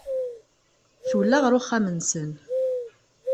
Twella ɣer uxxam-nsen.